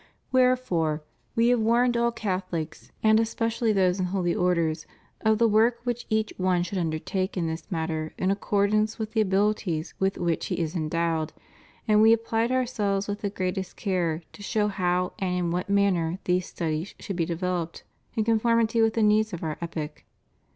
Wherefore, We have warned all Catholics, and espe cially those in Holy Orders, of ^ the work which each one should undertake in this matter in accordance with the abilities with which he is endowed, and We applied Our selves with the greatest care to show how and in what manner these studies should be developed in conformity with the needs of our epoch.